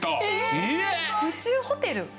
宇宙ホテル。